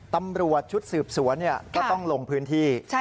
ตำรวจชุดสืบสวนก็ต้องลงพื้นที่